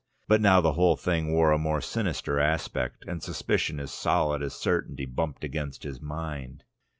But now the whole thing wore a more sinister aspect, and suspicion as solid as certainty bumped against his mind.